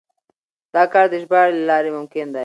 دا کار د ژباړې له لارې ممکن دی.